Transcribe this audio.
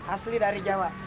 asli dari jawa